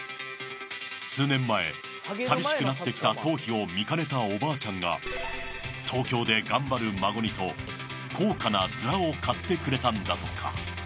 数年前寂しくなってきた頭皮を見かねたおばあちゃんが東京で頑張る孫にと高価なヅラを買ってくれたんだとか。